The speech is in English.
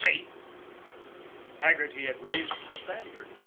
See ?" Haggerty had raised the standard.